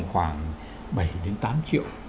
khoảng bảy đến tám triệu